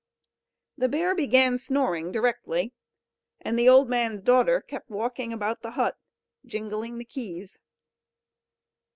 The bear began snoring directly, and the old man's daughter kept walking about the hut, jingling the keys.